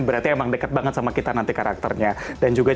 berarti emang dekat banget sama kita nanti kembali ke indonesia ya kan